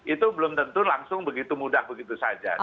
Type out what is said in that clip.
itu belum tentu langsung begitu mudah begitu saja